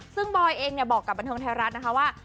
ซึ่งบอยเองบอกกับบันเทิงไทยรัฐนะคะว่า